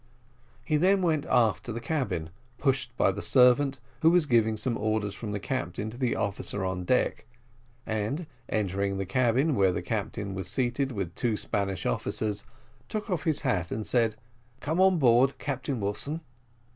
He then went aft to the cabin, pushed by the servant, who was giving some orders from the captain to the officer on deck, and entering the cabin, where the captain was seated with two Spanish officers, took off his hat and said: "Come on board, Captain Wilson."